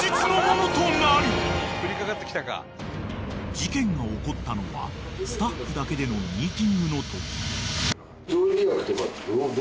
［事件が起こったのはスタッフだけでのミーティングのとき］